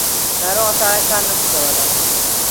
ناروغه سړی کار نشي کولی.